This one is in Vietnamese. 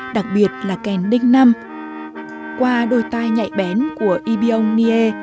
đặc biệt là kèn đinh năm qua đôi tai nhạy bén của ibyong niê